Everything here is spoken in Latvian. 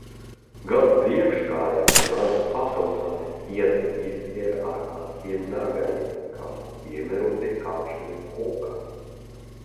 Gan priekškājām, gan pakaļkājām pieci pirksti ar asiem nagiem, kas piemēroti kāpšanai kokā.